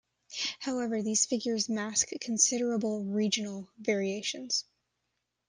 However, these figures mask considerable regional variations.